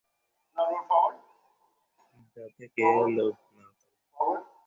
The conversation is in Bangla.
যাতে কেউ লোভ না করে।